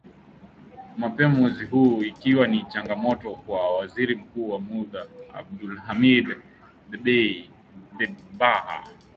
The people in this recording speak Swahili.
mapema mwezi huu ikiwa ni changamoto kwa Waziri Mkuu wa muda Abdulhamid Dbeibah